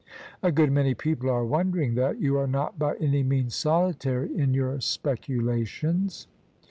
A good many people are wondering that: you are not by any means solitary in your speculations."